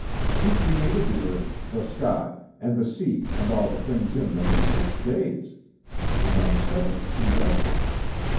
He created the earth, the sky and the sea and all the things in them in six days, and on the seventh He rested.